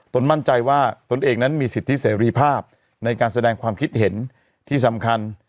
มั่นใจว่าตนเองนั้นมีสิทธิเสรีภาพในการแสดงความคิดเห็นที่สำคัญ